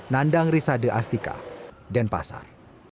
nandang risade astika denpasar